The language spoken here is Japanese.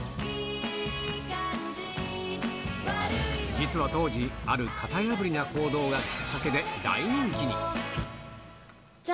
実は当時、ある型破りな行動がきっかけで、大人気に。